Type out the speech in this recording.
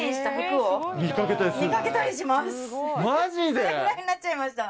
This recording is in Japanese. それぐらいになっちゃいました。